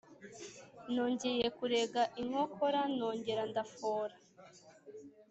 Nongeye kurega inkokora nongera ndafora